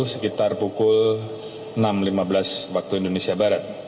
sekitar pukul delapan belas lima belas wib